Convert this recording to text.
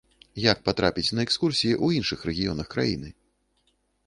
Як патрапіць на экскурсіі ў іншых рэгіёнах краіны?